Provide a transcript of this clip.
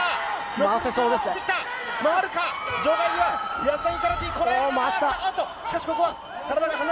回せそうですね。